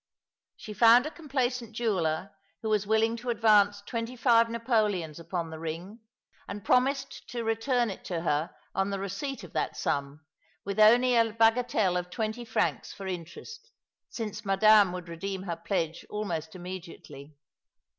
She found a complacent jeweller who was willing to Love and Life and Deaths 317 advance twenty five Napoleons upon the ring, and promised to return it to her on the receipt of that sum, with only a bagatelle of twenty francs for interest, since Madame would redeem her pledge almost immediately.